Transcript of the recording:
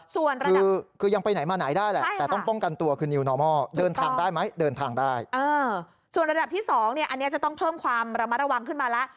ส่วนระดับที่๒เนี่ยอันนี้จะต้องเพิ่มความระมะระวังขึ้นมาแล้ว